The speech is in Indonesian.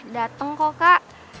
dateng kok kak